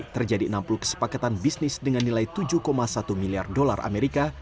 terjadi enam puluh kesepakatan bisnis dengan nilai tujuh satu miliar dolar amerika